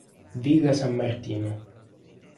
Villa San Martino